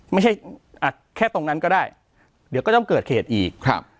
ไม่ใช่แค่ตรงนั้นก็ได้เดี๋ยวก็ต้องเกิดเหตุอีกครับ